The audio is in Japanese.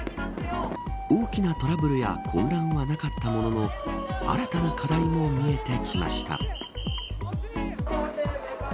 大きなトラブルや混乱はなかったものの新たな課題も見えてきました。